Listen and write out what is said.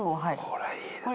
これいいですね。